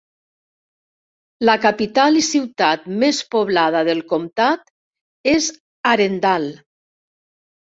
La capital i ciutat més poblada del comtat és Arendal.